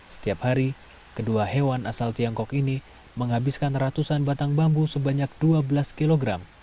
setiap hari kedua hewan asal tiongkok ini menghabiskan ratusan batang bambu sebanyak dua belas kg